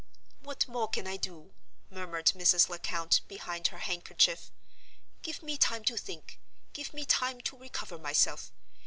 "What more can I do!" murmured Mrs. Lecount behind her handkerchief. "Give me time to think—give me time to recover myself.